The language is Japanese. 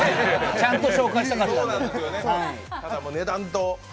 ちゃんと紹介したかったんで。